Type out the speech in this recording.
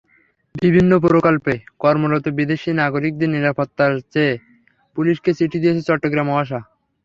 বিভিন্ন প্রকল্পে কর্মরত বিদেশি নাগরিকদের নিরাপত্তা চেয়ে পুলিশকে চিঠি দিয়েছে চট্টগ্রাম ওয়াসা।